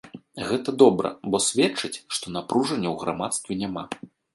Гэта добра, бо сведчыць, што напружання ў грамадстве няма.